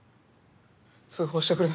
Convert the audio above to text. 通報してくれ。